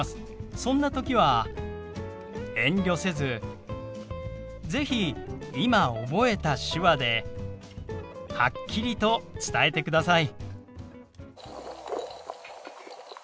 そんな時は遠慮せず是非今覚えた手話ではっきりと伝えてください。